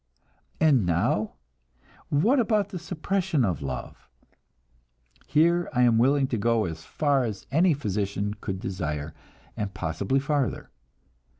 And now, what about the suppression of love? Here I am willing to go as far as any physician could desire, and possibly farther.